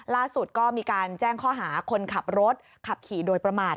ล่าสุดก็มีการแจ้งข้อหาคนขับรถขับขี่โดยประมาท